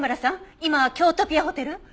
今キョウトピアホテル？